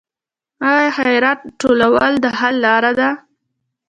آیا خیرات ټولول د حل لاره ده؟